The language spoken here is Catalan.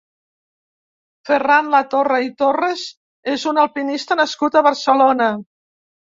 Ferran Latorre i Torres és un alpinista nascut a Barcelona.